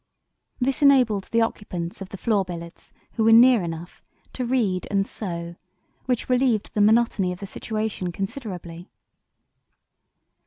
This enabled the occupants of the floor billets who were near enough to read and sew, which relieved the monotony of the situation considerably.